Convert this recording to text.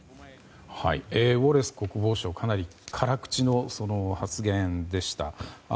ウォレス国防相かなり辛口の発言でした。